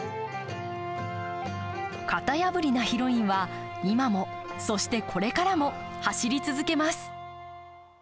型破りなヒロインは、今もそしてこれからも走り続けます。